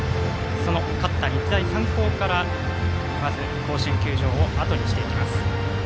勝った、日大三高からまず甲子園球場をあとにしていきます。